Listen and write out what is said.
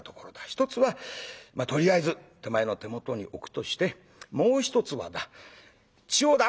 一つはまあとりあえず手前の手元に置くとしてもう一つはだ千代田」。